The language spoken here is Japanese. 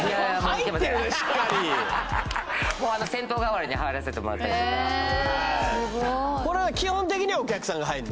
入ってるなしっかりもう銭湯代わりに入らせてもらったりとかこれは基本的にはお客さんが入るの？